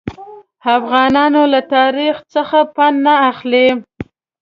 افغانان له تاریخ څخه پند نه اخلي.